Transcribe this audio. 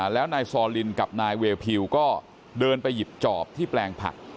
แล้วนายซอลินกับนายเวพิวก็เดินไปหยิบจอบที่แปลงผัก